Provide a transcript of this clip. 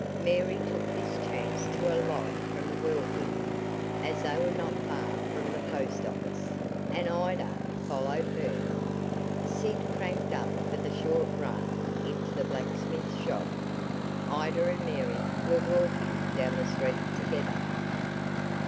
Mary took this chance to alight from the Whirlwind, as they were not far from the post office, and Ida followed her. Sid cranked up for the short run into the blacksmith shop. Ida and Mary were walking down the street together.